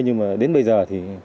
nhưng mà đến bây giờ